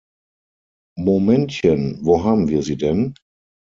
Momentchen, wo haben wir Sie denn?